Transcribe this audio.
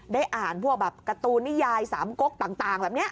ได้อ่านพวกการ์ตูนิยายสามก๊อคต่างแบบนี้ค่ะ